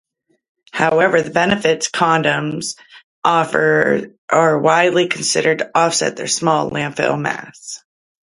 However, the benefits condoms offer are widely considered to offset their small landfill mass.